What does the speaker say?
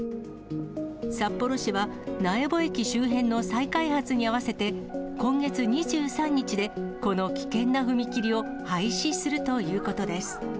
札幌市は、苗穂駅周辺の再開発に合わせて、今月２３日で、この危険な踏切を廃止するということです。